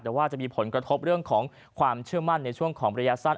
แต่ว่าจะมีผลกระทบเรื่องของความเชื่อมั่นในช่วงของระยะสั้น